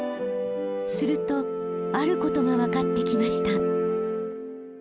するとあることがわかってきました。